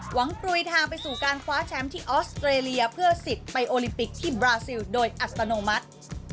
กลุยทางไปสู่การคว้าแชมป์ที่ออสเตรเลียเพื่อสิทธิ์ไปโอลิมปิกที่บราซิลโดยอัตโนมัติ